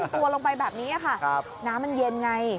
ตัวลงไปแบบนี้ค่ะน้ำมันเย็นไง